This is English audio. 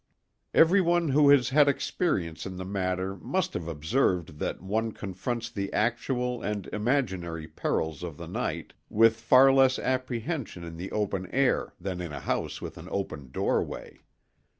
Everyone who has had experience in the matter must have observed that one confronts the actual and imaginary perils of the night with far less apprehension in the open air than in a house with an open doorway.